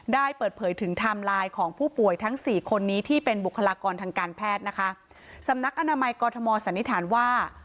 ได้เปิดเผยถึงไทม์ไลน์ของผู้ป่วยทั้งสี่คนนี้ที่เป็นบุคลากรทางการแพทย์นะคะสำนักอนามัยกรทมสันนิษฐานว่า